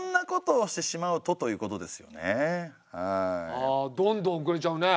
ああどんどん遅れちゃうね。